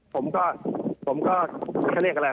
ผมก็คือเรียกอะไร